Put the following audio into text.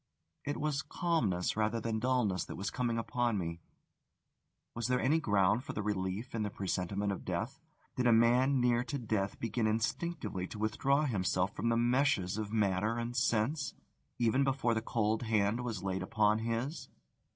It was calmness rather than dulness that was coming upon me. Was there any ground for the relief in the presentiment of death? Did a man near to death begin instinctively to withdraw himself from the meshes of matter and sense, even before the cold hand was laid upon his?